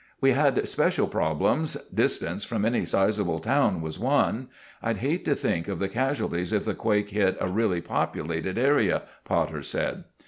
"We had special problems—distance from any sizeable town was one. I'd hate to think of the casualties if the quake hit in a really populated area," Potter said.